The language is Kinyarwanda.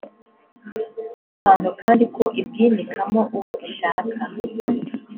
bw abantu kandi ko ibwimikamo uwo ishaka